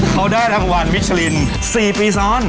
เขาได้รางวัลมิชลิน๔ปีซ้อน